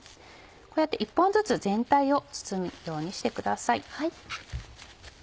こうやって１本ずつ全体を包むようにしてください。